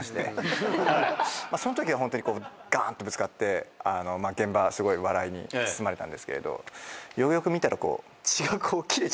そのときはホントにガン！とぶつかって現場すごい笑いに包まれたんですけれどよくよく見たら。